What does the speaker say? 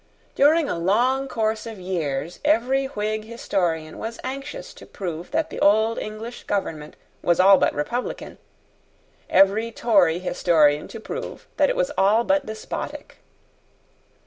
During a long course of years every Whig historian was anxious to prove that the old English government was all but republican, every Tory historian to prove that it was all but despotic.